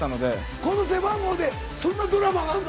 この背番号でそんなドラマがあんの？